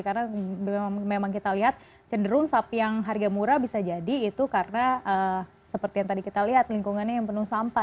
karena memang kita lihat cenderung sapi yang harga murah bisa jadi itu karena seperti yang tadi kita lihat lingkungannya yang penuh sampah